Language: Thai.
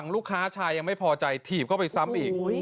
ลูกค้าชายยังไม่พอใจถีบเข้าไปซ้ำอีก